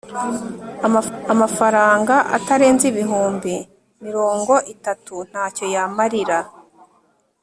amafaranga atarenze ibihumbi mirongo itatu ntacyo yamarira